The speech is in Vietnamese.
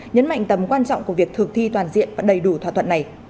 nhấn mạnh tầm quan trọng của việc thực thi toàn diện và đầy đủ thỏa thuận này